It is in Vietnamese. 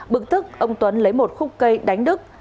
bực tức ông tuấn lấy một khúc cây đánh đức